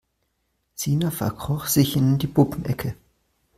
Sina verkroch sich in die Puppenecke.